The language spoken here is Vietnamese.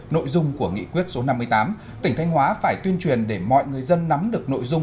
nội dung của nghị quyết số năm mươi tám tỉnh thanh hóa phải tuyên truyền để mọi người dân nắm được nội dung